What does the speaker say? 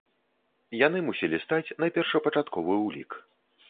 Яны мусілі стаць на першапачатковы ўлік.